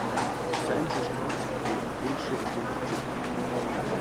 Seien wir stolz auf die europäische Identität.